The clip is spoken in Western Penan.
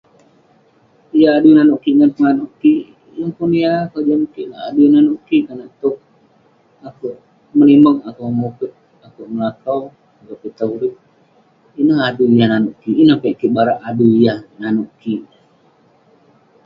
Yah adui nanouk kik ngan pongah nanouk kik, yeng pun yah kojam kik. Adui nanouk kik konak tog akouk menimeg, akouk memuket, akouk melakau, akouk pitah urip. Ineh yah adui yah nanouk kik. Yeng piak kik barak adui yah nouk kik.